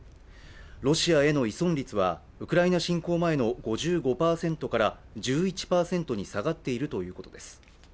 ロシアへの依存率は、ウクライナ侵攻前の５５％から１１％に下がっているということです。